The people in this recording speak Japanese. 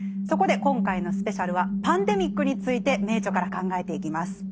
そこで今回のスペシャルはパンデミックについて「名著」から考えていきます。